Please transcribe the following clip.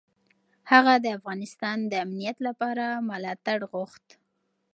هغه د افغانستان د امنیت لپاره ملاتړ غوښت.